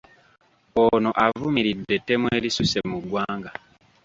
Ono avumiridde ettemu erisusse mu ggwanga.